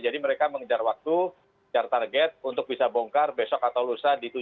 jadi mereka mengejar waktu car target untuk bisa bongkar besok atau lusa di tujuan